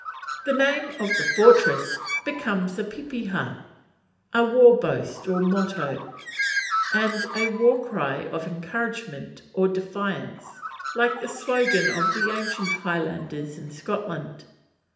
The name of the fortress becomes a pepeha, a war boast or motto, and a war cry of encouragement or defiance; like the slogan of the ancient Highlanders in Scotland.